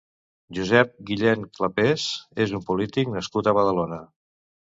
Josep Guillén Clapés és un polític nascut a Badalona.